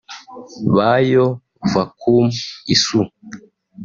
Bayo Vakoum Issou